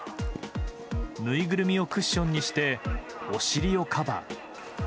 ぬいぐるみをクッションにしてお尻をカバー。